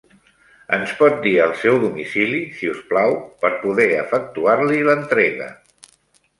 Ens pot dir el seu domicili, si us plau, per poder efectuar-li l'entrega?